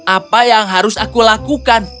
apa yang harus aku lakukan